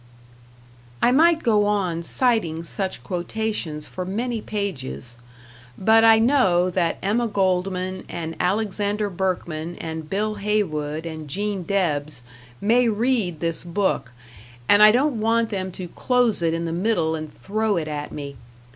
I might go on citing such quotations for many pages; but I know that Emma Goldman and Alexander Berkman and Bill Haywood and Gene Debs may read this book, and I don't want them to close it in the middle and throw it at me.